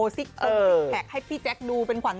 เสียงเหมือนด้วย